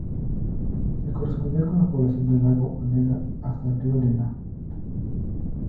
Se correspondía con la población del lago Onega hasta el río Lena.